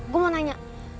gue mau tanya